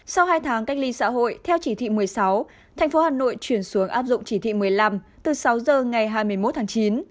sau hai tháng cách ly xã hội theo chỉ thị một mươi sáu thành phố hà nội chuyển xuống áp dụng chỉ thị một mươi năm từ sáu giờ ngày hai mươi một tháng chín